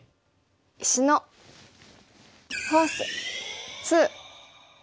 「石のフォース２」。